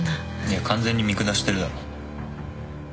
いや完全に見下してるだろ。